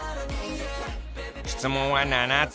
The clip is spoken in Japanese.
質問は７つ。